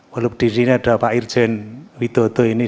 walaupun di sini ada pak irjen widodo ini